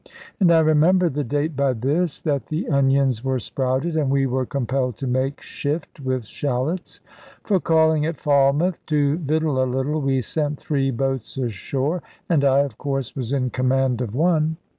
And I remember the date by this, that the onions were sprouted, and we were compelled to make shift with shallots. For calling at Falmouth to victual a little, we sent three boats ashore, and I of course was in command of one.